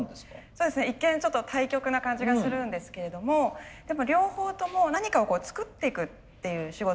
そうですね一見ちょっと対極な感じがするんですけれどもやっぱ両方とも何かを作っていくっていう仕事なんですよね。